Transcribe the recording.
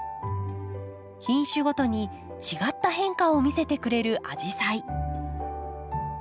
品種ごとに違った変化を見せてくれるアジサイ。